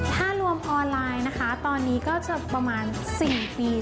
ถ้ารวมออนไลน์นะคะตอนนี้ก็จะประมาณ๔ปี